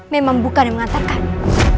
memang bukan yang mengantarkannya